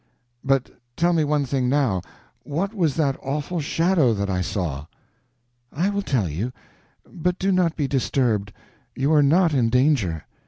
"But tell me one thing now; what was that awful shadow that I saw?" "I will tell you, but do not be disturbed; you are not in danger.